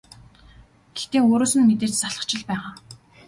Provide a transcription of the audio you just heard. Гэхдээ өөрөөс нь мэдээж залхаж л байгаа.